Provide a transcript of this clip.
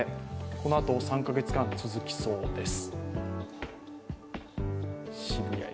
このあと３カ月間、続きそうです。